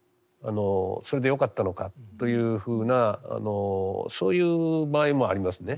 それでよかったのかというふうなそういう場合もありますね。